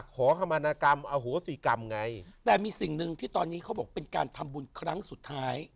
ขอขมานากรรมอโหสิกรรมไงแต่มีสิ่งหนึ่งที่ตอนนี้เขาบอกเป็นการทำบุญครั้งสุดท้าย